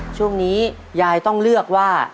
ช่วงนี้ยายต้องเลือกว่า